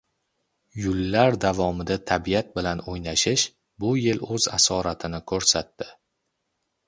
Yullar davomida tabiat bilan o'ynashish bu yil o'z asoratini ko'rsatdi.